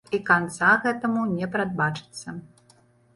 І канца гэтаму не прадбачыцца.